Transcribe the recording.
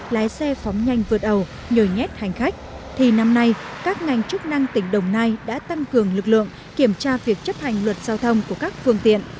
lái xe phóng nhanh vượt ẩu nhét hành khách thì năm nay các ngành chức năng tỉnh đồng nai đã tăng cường lực lượng kiểm tra việc chấp hành luật giao thông của các phương tiện